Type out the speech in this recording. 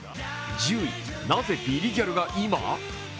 １０位、なぜ「ビリギャル」が今？